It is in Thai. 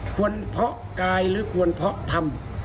เพาะกายหรือควรเพาะธรรม